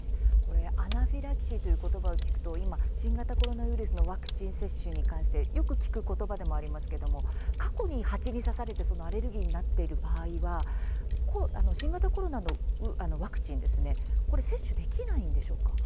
アナフィラキシーということばを聞くと新型コロナウイルスのワクチン接種に関してよく聞くことばでもありますが、過去に蜂に刺されてアレルギーになっている場合は新型コロナのワクチン接種できないんでしょうか。